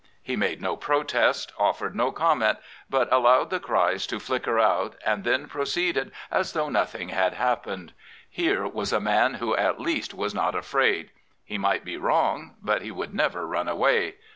He made no protest, offered no comment, but allowed the cries to flicker out and then pro ceeded as though nothing had happened. Here was a man who at least was not afraid. He might be wrong; but he would never run away.